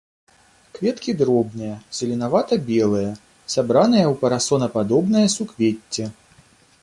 Кветкі дробныя, зеленавата-белыя, сабраныя ў парасонападобнае суквецце.